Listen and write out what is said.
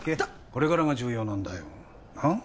これからが重要なんだよなっ